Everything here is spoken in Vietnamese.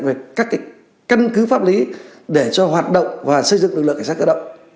về các căn cứ pháp lý để cho hoạt động và xây dựng lực lượng cảnh sát cơ động